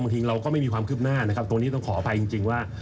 จริงเราก็ไม่มีความคืบหน้านะครับตรงนี้ต้องขออภัยจริงว่า